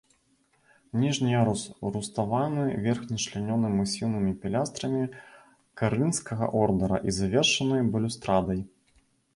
Ніжні ярус руставаны, верхні члянёны масіўнымі пілястрамі карынфскага ордара і завершаны балюстрадай.